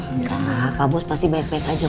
gak apa bos pasti baik baik aja